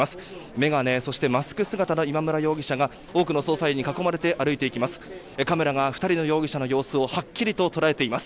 眼鏡、そしてマスク姿の今村容疑者が多くの捜査員に囲まれて歩いていきます。